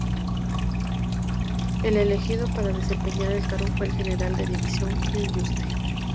El elegido para desempeñar el cargo fue el general de división Gil Yuste.